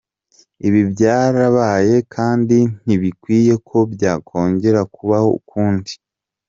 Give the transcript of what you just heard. Ibi byarabaye kandi ntibikwiye ko byakongera kubaho ukundi.